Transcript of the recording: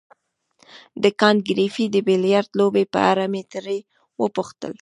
د کانت ګریفي د بیلیارډ لوبې په اړه مې ترې وپوښتل.